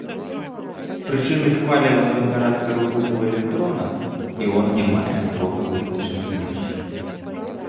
З прычыны хвалевага характару руху электрона іон не мае строга вызначаных меж.